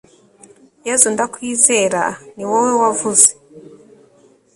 yezu ndakwizera, ni wowe wavuze